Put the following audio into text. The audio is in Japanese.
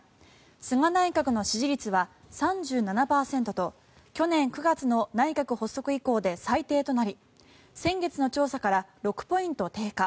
菅内閣の支持率は３７％と去年９月の内閣発足以降最低となり先月の調査から６ポイント低下。